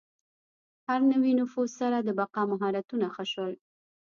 هر نوي نفوذ سره د بقا مهارتونه ښه شول.